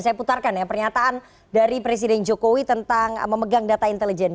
saya putarkan ya pernyataan dari presiden jokowi tentang memegang data intelijen